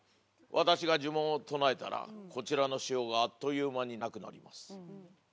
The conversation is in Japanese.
私が呪文を唱えたらこちらの塩があっという間になくなります。